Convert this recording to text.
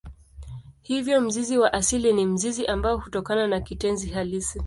Hivyo mzizi wa asili ni mzizi ambao hutokana na kitenzi halisi.